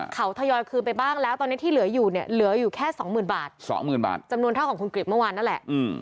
เขาทยอยคืนไปบ้างแล้วตอนนี้ที่เหลืออยู่เนี่ยเหลืออยู่แค่สองหมื่นบาทสองหมื่นบาทจำนวนเท่าของคุณกริจเมื่อวานนั่นแหละ